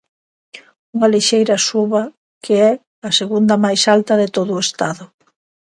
Unha lixeira suba que é a segundo máis alta de todo o Estado.